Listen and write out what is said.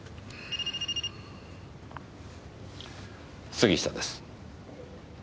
杉下です。